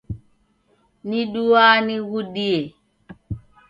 Niduaa nighudie.